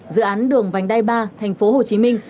dự án đường vành đai ba thành phố hồ chí minh